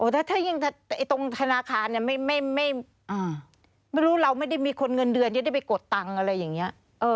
ถ้ายิ่งตรงธนาคารไม่รู้เราไม่ได้มีคนเงินเดือนจะได้ไปกดตังค์อะไรอย่างนี้